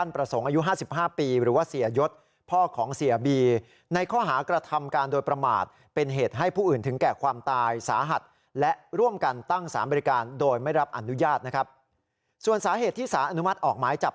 เพราะเด็ดที่สารอนุมัติออกหมายจับ